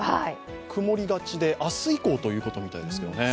曇りがちで、明日以降ということみたいですね。